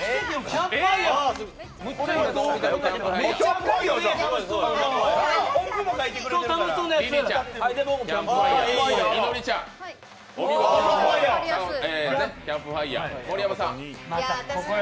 キャンプファイヤー。